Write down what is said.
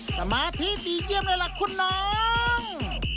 สมาธิดีเยี่ยมเลยล่ะคุณน้อง